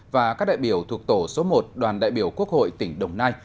và các đại biểu thuộc tổ số một đoàn đại biểu quốc hội tỉnh đồng nai